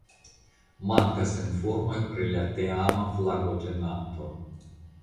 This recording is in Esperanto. Mankas informoj pri la teama flagotenanto.